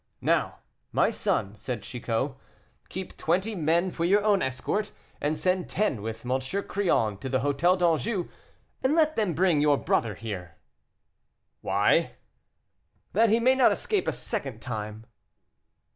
"Now, my son," said Chicot, "keep twenty men for your own escort, and send ten with M. Crillon to the Hôtel d'Anjou and let them bring your brother here." "Why?" "That he may not escape a second time."